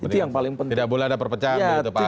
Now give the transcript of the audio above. tidak boleh ada perpecahan